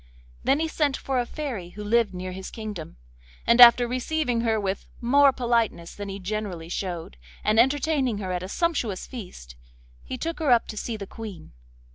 Then he sent for a fairy who lived near his kingdom, and after receiving her with more politeness than he generally showed, and entertaining her at a sumptuous feast, he took her up to see the Queen.